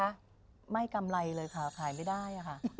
ไม่มีกำไรเลยค่าขายไม่ได้